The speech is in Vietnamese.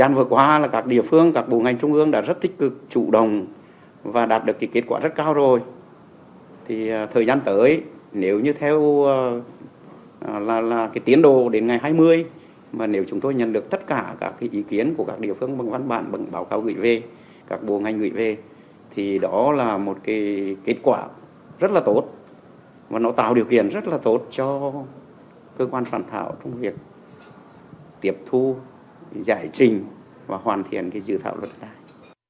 nó tạo điều kiện rất là tốt cho cơ quan sản thảo trong việc tiệp thu giải trình và hoàn thiện dự thảo đất tài